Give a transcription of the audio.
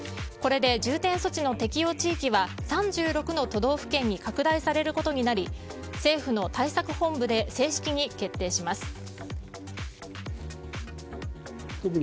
これで重点措置の適用地域は３６の都道府県に拡大されることになり政府の対策本部で正式に決定します。